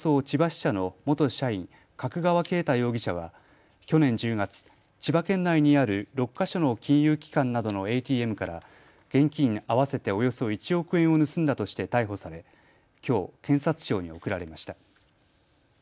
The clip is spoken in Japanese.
千葉支社の元社員、角川恵太容疑者は、去年１０月、千葉県内にある６か所の金融機関などのＡＴＭから現金合わせておよそ１億円を盗んだとして逮捕されきょう、検察庁に送られました。